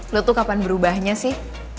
lu tuh kapan berubahnya sih